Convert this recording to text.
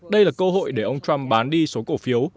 đây là cơ hội để ông trump bán đi số cổ phiếu